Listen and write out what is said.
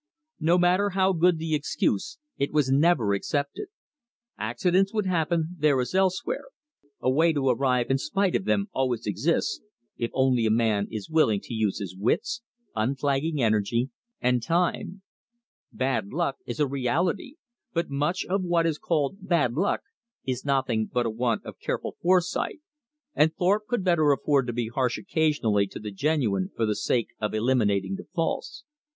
No matter how good the excuse, it was never accepted. Accidents would happen, there as elsewhere; a way to arrive in spite of them always exists, if only a man is willing to use his wits, unflagging energy, and time. Bad luck is a reality; but much of what is called bad luck is nothing but a want of careful foresight, and Thorpe could better afford to be harsh occasionally to the genuine for the sake of eliminating the false.